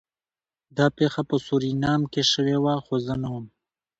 دا پیښه په سورینام کې شوې وه خو زه نه وم